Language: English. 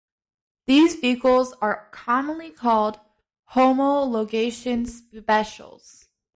These vehicles are commonly called "homologation specials".